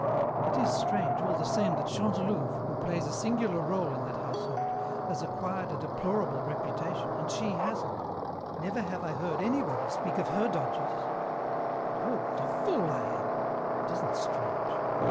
It is strange, all the same that Chantelouve, who plays a singular rôle in that household, has acquired a deplorable reputation, and she hasn't. Never have I heard anybody speak of her dodges but, oh, what a fool I am! It isn't strange.